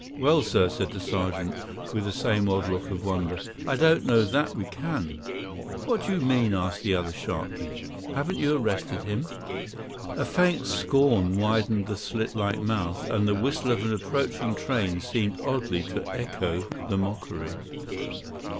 "Well, sir," said the sergeant, with the same odd look of wonder, "I don't know that we can." "What do you mean?" asked the other sharply. "Haven't you arrested him?" A faint scorn widened the slit like mouth, and the whistle of an approaching train seemed oddly to echo the mockery.